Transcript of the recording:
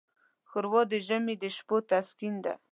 ښوروا د ژمي د شپو تسکین ده.